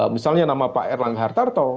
misalnya nama pak erlangga hartarto